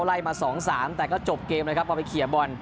ไล่มา๒๓แต่ก็จบเกมเลยครับ